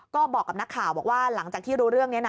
ก็บอกกับนักข่าวบอกว่าหลังจากที่รู้เรื่องนี้นะ